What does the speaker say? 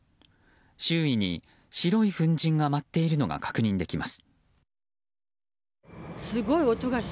周囲に白い粉じんが舞っているのが確認できます。